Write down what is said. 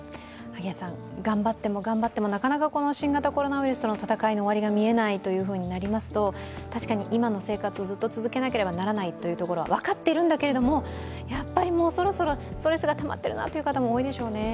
頑張っても頑張ってもなかなか新型コロナウイルスとの戦いの終わりが見えないとなりますと、確かに今の生活をずっと続けなければならないというところは分かっているんだけれども、もうそろそろストレスがたまっているなという方も多いでしょうね。